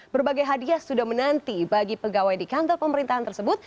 berbagai hadiah sudah menanti bagi pegawai di kantor pemerintahan tersebut